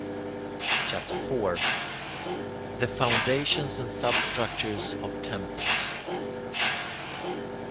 CHAPTER IV THE FOUNDATIONS AND SUBSTRUCTURES OF TEMPLES 1.